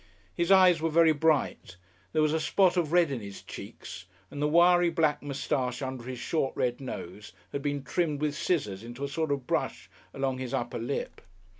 His eyes were very bright; there was a spot of red in his cheeks, and the wiry black moustache under his short, red nose had been trimmed with scissors into a sort of brush along his upper lip.